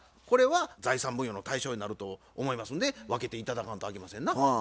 これは財産分与の対象になると思いますんで分けて頂かんとあきませんな。